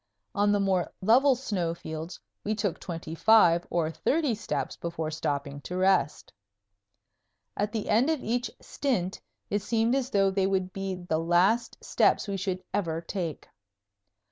On the more level snow fields we took twenty five or thirty steps before stopping to rest. At the end of each stint it seemed as though they would be the last steps we should ever take.